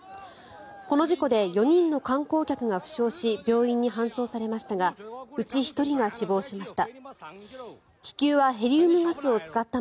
この事故で４人の観光客が負傷し病院に搬送されましたがうち１人が死亡しました。